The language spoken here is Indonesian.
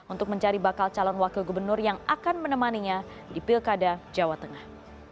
untuk mencari bakal calon wakil gubernur yang akan menemaninya di pilkada jawa tengah